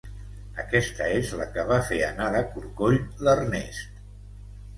Aquesta és la que va fer anar de corcoll l'Ernest.